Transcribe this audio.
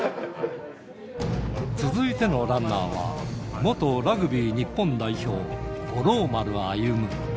続いてのランナーは、元ラグビー日本代表、五郎丸歩。